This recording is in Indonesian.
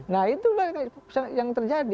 nah itulah yang terjadi